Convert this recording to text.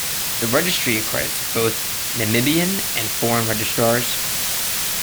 The registry accredits both Namibian and foreign registrars.